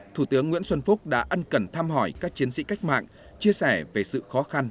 thủ tướng nguyễn xuân phúc đã ân cần thăm hỏi các chiến sĩ cách mạng chia sẻ về sự khó khăn